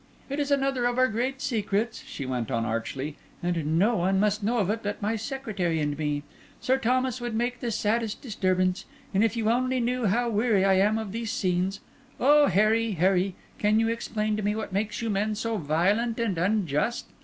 "It is another of our great secrets," she went on archly, "and no one must know of it but my secretary and me. Sir Thomas would make the saddest disturbance; and if you only knew how weary I am of these scenes! Oh, Harry, Harry, can you explain to me what makes you men so violent and unjust?